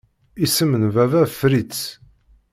Isem n Baba Fritz.